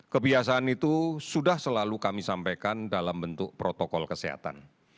kebiasaan itu sudah selalu kami sampaikan dalam bentuk protokol kesehatan